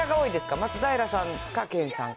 松平さんか、健さんか？